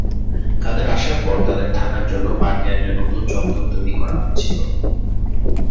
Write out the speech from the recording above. তাদের আসার পর তাদের থাকার জন্য পার্কে একটা নতুন চত্বর তৈরি করা হয়েছিল।